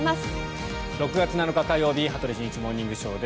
６月７日、火曜日「羽鳥慎一モーニングショー」。